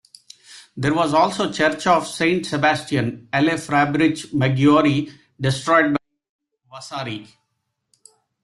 There was also the church of Saint Sebastian "alle Fabbriche Maggiori", destroyed by Vasari.